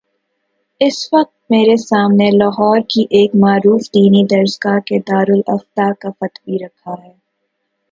اس وقت میرے سامنے لاہور کی ایک معروف دینی درس گاہ کے دارالافتاء کا فتوی رکھا ہے۔